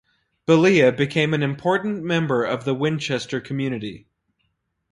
Belia became an important member of the Winchester community.